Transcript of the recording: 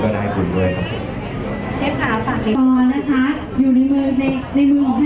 ก็ไม่มีคนกลับมาหรือเปล่า